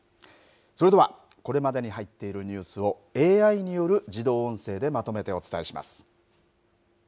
それでは、これまでに入っているニュースをＡＩによる自動音声でまとめてお伝えします。